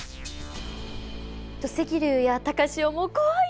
土石流や高潮も怖い！